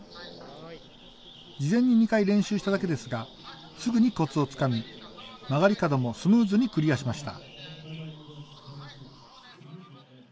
事前に２回練習しただけですがすぐにコツをつかみ曲がり角もスムーズにクリアしました。